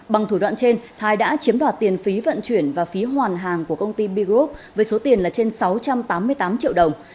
bằng thủ đoạn trên thái đã chiếm đoạt tiền phí vận chuyển và phí hoàn hàng của công ty b group với số tiền là trên sáu trăm tám mươi tám triệu đồng